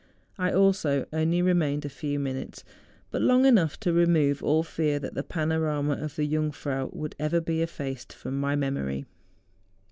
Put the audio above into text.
I also only re¬ mained a few minutes, but long enough to remove all fear that the panorama of the' Jungfrau would ever be effaced from my memory.